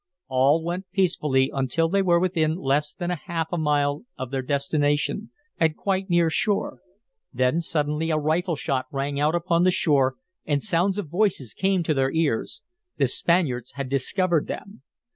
All went peacefully until they were within less than half a mile of their destination, and quite near shore. Then suddenly a rifle shot rang out upon the shore, and sounds of voices came to their ears. The Spaniards had discovered them!